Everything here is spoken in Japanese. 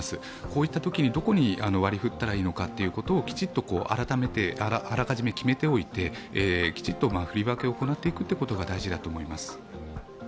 こういったときにどこに割り振ったらいいのかをきちっとあらかじめ決めておいてきちんと振り分けを行っていくことが大事だと思います。